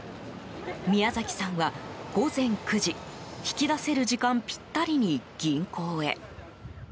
宮崎さんは午前９時引き出せる時間ぴったりに銀行へ。